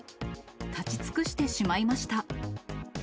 立ち尽くしてしまいました。